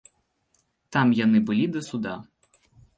Там яны былі да суда.